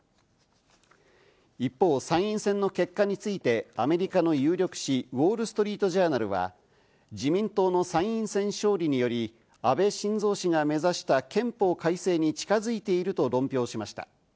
一方、参院選の結果についてアメリカの有力紙ウォール・ストリート・ジャーナルは自民党の参院選勝利により安倍晋三氏が目指した憲法改正に近づいていると論評しました。